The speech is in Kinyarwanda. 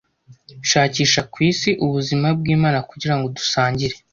Shakisha kwisi ubuzima bwimana kugirango dusangire,